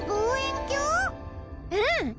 うん！